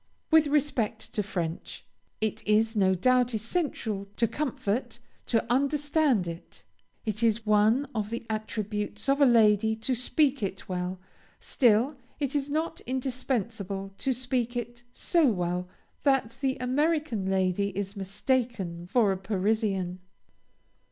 With respect to French, it is no doubt essential to comfort to understand it; it is one of the attributes of a lady to speak it well; still, it is not indispensable to speak it so well that the American lady is mistaken for a Parisian.